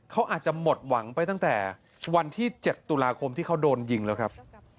เขาอาจจะหมดหวังไปตั้งแต่วันที่๗ตุลาคมที่เขาโดนยิงแล้วครับ